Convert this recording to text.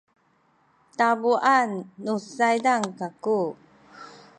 tabuan nu saydan kaku